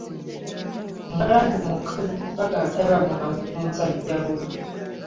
Omuwalabu omukazi bagamba taba mwangu ku musajja we.